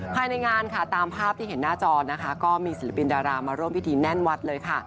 ภายในงานค่ะตามภาพที่เห็นหน้าจอนะคะก็มีศิลปินดารามาร่วมพิธีแน่นวัดเลยค่ะ